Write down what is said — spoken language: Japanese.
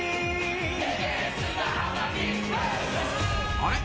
あれ？